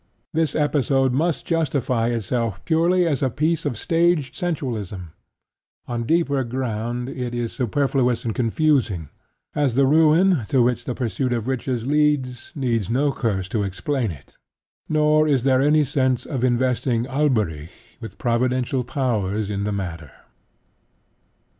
This episode must justify itself purely as a piece of stage sensationalism. On deeper ground it is superfluous and confusing, as the ruin to which the pursuit of riches leads needs no curse to explain it; nor is there any sense in investing Alberic with providential powers in the matter.